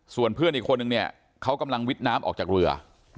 ส่วนเพื่อนอีกคนนึงเนี่ยเขากำลังวิทย์น้ำออกจากเรือ